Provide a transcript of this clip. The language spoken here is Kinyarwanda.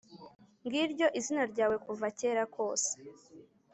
ng’iryo izina ryawe, kuva kera kose.